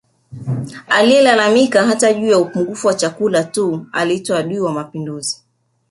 Aliyelalamika hata juu ya upungufu wa chakula tu aliitwa adui wa Mapinduzi